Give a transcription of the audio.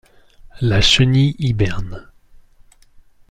La chenille hiberne.